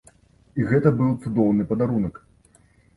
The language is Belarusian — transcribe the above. І гэта быў цудоўны падарунак.